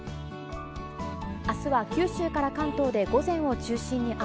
あすは九州から関東で午前を中心に雨。